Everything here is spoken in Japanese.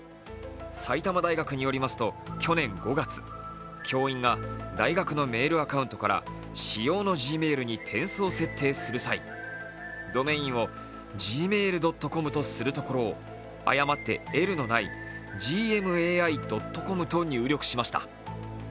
埼玉大学によりますと去年５月、教員が大学のメールアカウントから私用のＧｍａｉｌに転送設定する際ドメインを「ｇｍａｉｌ．ｃｏｍ」とするところを誤って「ｌ」のない「ｇｍａｉ．ｃｏｍ」と入力しました。